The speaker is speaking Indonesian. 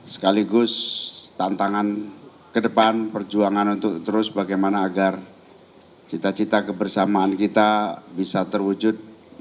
sekaligus tantangan ke depan perjuangan untuk terus bagaimana agar cita cita kebersamaan kita bisa terwujud